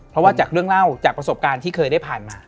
เพราะว่าจากเรื่องเล่าจากประสบการณ์ที่เคยได้ผ่านมา